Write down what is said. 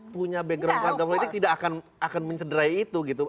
punya background keluarga politik tidak akan mencederai itu gitu